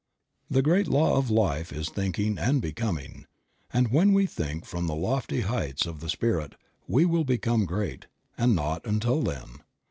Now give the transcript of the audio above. The great law of life is thinking and becoming; and when we think from the lofty heights of the Spirit we will become great, and not until then.